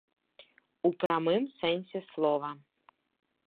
У прамым сэнсе слова.